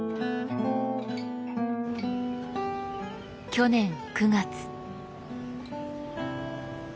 去年９月。